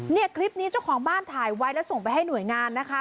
เนี่ยคลิปนี้เจ้าของบ้านถ่ายไว้แล้วส่งไปให้หน่วยงานนะคะ